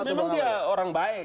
memang dia orang baik